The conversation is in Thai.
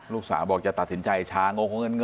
ลูกสาวบอกจะตัดสินใจชางงเงิน